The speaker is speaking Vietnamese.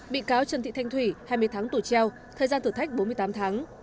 bị cáo trần thị thanh thủy hai mươi tháng tù treo thời gian thử thách bốn mươi tám tháng